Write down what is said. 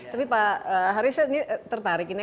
tapi pak harissa ini tertarik ini